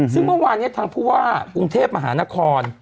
ซึ่งเมื่อวานนี้ทางผู้ว่ากรุงเทพมหานคร